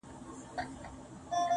يوار ماسوم سمه له ځانه سره داسې وايم